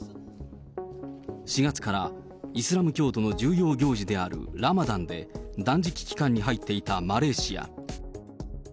４月からイスラム教徒の重要行事であるラマダンで、断食期間に入っていたマレーシア。